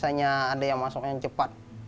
biasanya ada yang masuk yang cepat